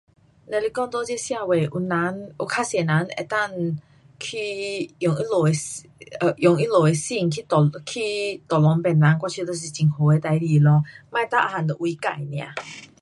若是讲在这社会有人，有较多人能够去用他们的 um 用他们的心去，去 tolong 别人，我觉得是很好的事情咯，别每样都为自 nia